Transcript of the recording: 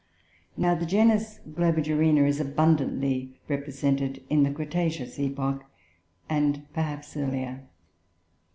Now, the genus Globigerina is abundantly represented in the cretaceous epoch, and perhaps earlier.